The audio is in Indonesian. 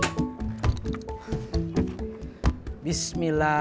jika dirimu sama dengan saya bisa jadikan semerang elasi